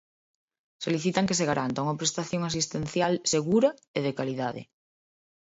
Solicitan que se garanta unha prestación asistencial "segura e de calidade".